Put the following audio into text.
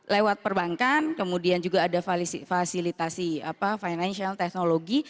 lewat perbankan kemudian juga ada fasilitasi apa financial teknologi